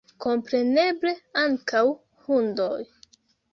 Kompreneble, ankaŭ hundoj.